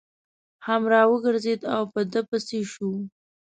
هم را وګرځېد او په ده پسې شو.